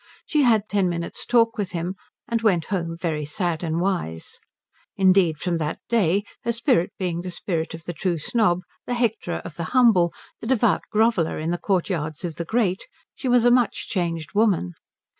She had ten minutes talk with him, and went home very sad and wise. Indeed from that day, her spirit being the spirit of the true snob, the hectorer of the humble, the devout groveller in the courtyards of the great, she was a much changed woman.